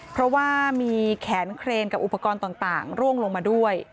เพราะว่ามีแขนเครนกับอุปกรณ์ต่างร่วงลงมาด้วย